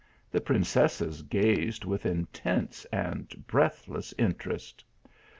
The princesses gazed with intense and breathless interest.